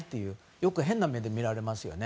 よく変な目で見られますよね。